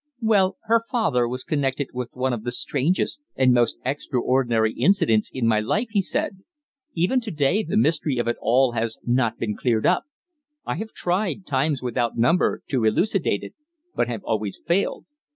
"Well, her father was connected with one of the strangest and most extraordinary incidents in my life," he said. "Even to day, the mystery of it all has not been cleared up. I have tried, times without number, to elucidate it, but have always failed."